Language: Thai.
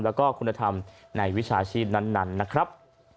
แล้วก็คุณธรรมในวิชาชีพนั้นนะครับ